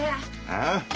ああ？